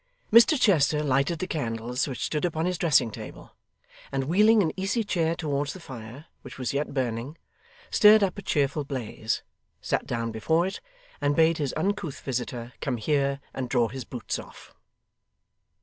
Mr Chester lighted the candles which stood upon his dressing table, and wheeling an easy chair towards the fire, which was yet burning, stirred up a cheerful blaze, sat down before it, and bade his uncouth visitor 'Come here,' and draw his boots off.